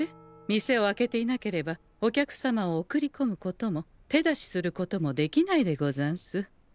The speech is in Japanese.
店を開けていなければお客様を送りこむことも手出しすることもできないでござんす。